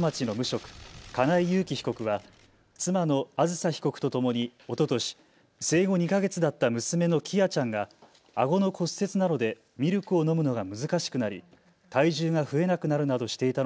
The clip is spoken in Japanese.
町の無職金井裕喜被告は妻のあずさ被告とともにおととし生後２か月だった娘の喜空ちゃんがあごの骨折などでミルクを飲むのが難しくなり体重が増えなくなるなどしていた